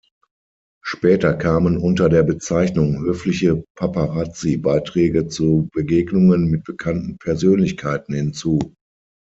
Später kamen unter der Bezeichnung "Höfliche Paparazzi" Beiträge zu Begegnungen mit bekannten Persönlichkeiten hinzu.